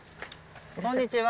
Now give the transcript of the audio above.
こんにちは。